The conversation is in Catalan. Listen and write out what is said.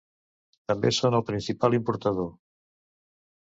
També són el principal importador.